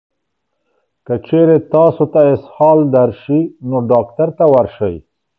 که چېرې تاسو ته اسهال درشي، نو ډاکټر ته ورشئ.